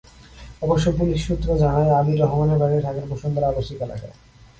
অবশ্য পুলিশ সূত্র জানায়, আবির রহমানের বাড়ি ঢাকার বসুন্ধরা আবাসিক এলাকায়।